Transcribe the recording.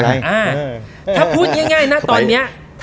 ถ้าพูดง่ายนะตอนนี้